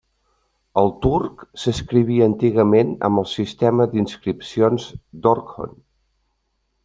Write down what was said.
El turc s'escrivia antigament amb el sistema d'inscripcions d'Orkhon.